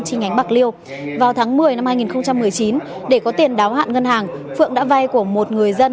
chi nhánh bạc liêu vào tháng một mươi năm hai nghìn một mươi chín để có tiền đáo hạn ngân hàng phượng đã vay của một người dân